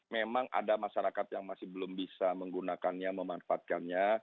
memang ada masyarakat yang masih belum bisa menggunakannya memanfaatkannya